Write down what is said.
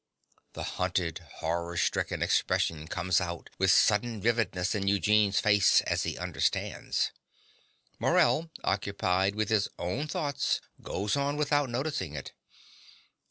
(The hunted, horror stricken expression comes out with sudden vividness in Eugene's face as he understands. Morell, occupied with his own thought, goes on without noticing it.)